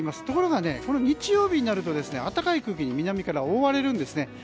ところが日曜日になると暖かい空気に南から覆われるんですね。